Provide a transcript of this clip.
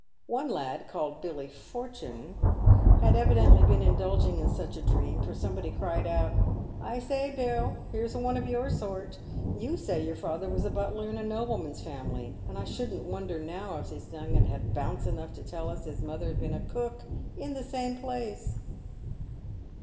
One lad, called Billy Fortune, had evidently been indulging in such a dream, for somebody cried out, " I say, Bill, here's one of your sort ; you say your father was butler in a nobleman's family, and I shouldn't wonder now if this young'un had bounce enough to tell us his mother had been cook in the same place."